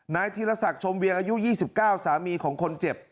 ธีรศักดิ์ชมเวียงอายุ๒๙สามีของคนเจ็บ